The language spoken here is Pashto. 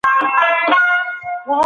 په تجارت کي بايد چل او ول نه وي.